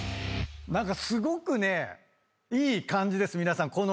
何かすごくねいい感じです皆さん。